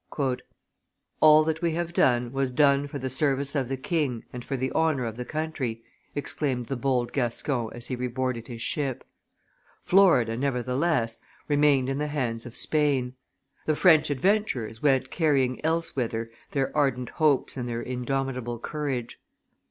"All that we have done was done for the service of the king and for the honor of the country," exclaimed the bold Gascon as he re boarded his ship. Florida, nevertheless, remained in the hands of Spain; the French adventurers went carrying elsewhither their ardent hopes and their indomitable courage.